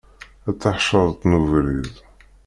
A taḥeccaḍt n ubrid.